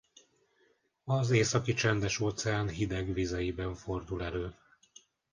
Az északi Csendes-óceán hideg vizeiben fordul elő.